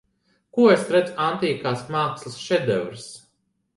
Ko es redzu Antīkās mākslas šedevrs.